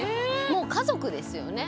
もう家族ですよね。